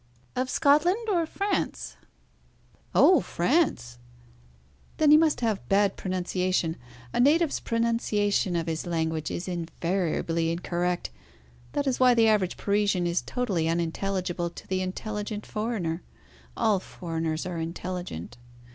"Of Scotland or France?" "Oh! France." "Then he must have a bad pronunciation. A native's pronunciation of his language is invariably incorrect. That is why the average Parisian is totally unintelligible to the intelligent foreigner. All foreigners are intelligent.